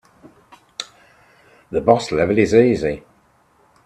The boss level is easy.